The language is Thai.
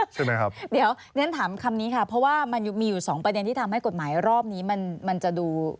ใช่ไหมครับเดี๋ยวฉันถามคำนี้ค่ะเพราะว่ามันมีอยู่สองประเด็นที่ทำให้กฎหมายรอบนี้มันมันจะดู